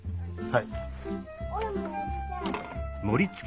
はい。